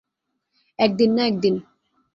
এক দিন না এক দিন।